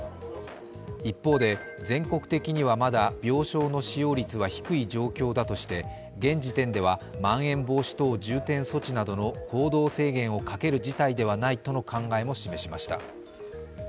一方で、全国的にはまだ病床の使用率は低い状況だとして現時点では、まん延防止等重点措置などの行動制限をかける事態ではないとの考えも示しました。